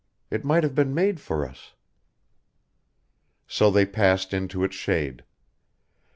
It might have been made for us." So they passed into its shade.